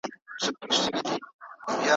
که پزه وي نو بوی نه پټیږي.